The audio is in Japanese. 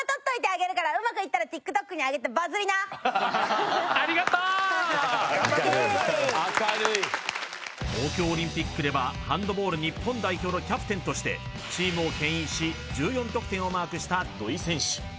うまくいったらありがとう！頑張ってください東京オリンピックではハンドボール日本代表のキャプテンとしてチームを牽引し１４得点をマークした土井選手